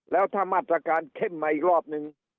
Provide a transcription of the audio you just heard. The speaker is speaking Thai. แล้วถ้ามาตรการเข้มมาอีกรอบนึง